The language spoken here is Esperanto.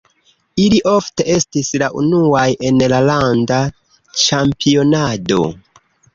Ili ofte estis la unuaj en la landa ĉampionado.